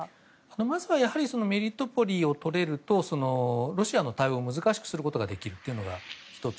まずはやはりメリトポリをとれるとロシアの対応も難しくすることができるのが１つ。